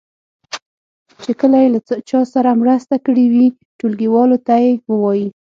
چې کله یې له چا سره مرسته کړې وي ټولګیوالو ته یې ووایي.